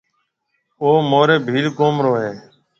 او مهورِي ڀيل قوم رو هيَ۔